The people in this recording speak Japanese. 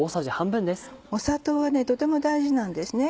砂糖はとても大事なんですね